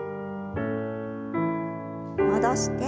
戻して。